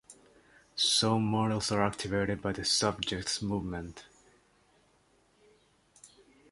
Some models are activated by the subject's movement.